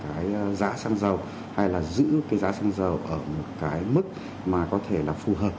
cân thiết vào cái giá xăng dầu hay là giữ cái giá xăng dầu ở một cái mức mà có thể là phù hợp